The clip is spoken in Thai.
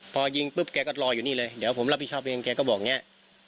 พอยิงปุ๊บแกก็รออยู่นี่เลยเดี๋ยวผมรับผิดชอบเองแกก็บอกอย่างนี้